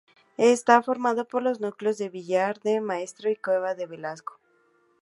Está formado por los núcleos de Villar del Maestre y Cuevas de Velasco.